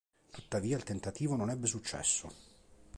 Tuttavia il tentativo non ebbe successo.